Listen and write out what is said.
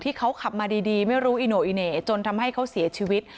ที่เขาขับมาดีไม่รู้อิโนอิเน่จนทำให้เขาเสียชีวิต